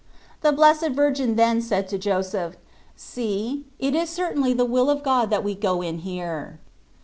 The Blessed Virgin then said to Joseph :" See, it is certainly the will of God that we go in here."